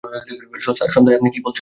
Sir, সন্ধ্যায় আপনি কী বলছিলেন?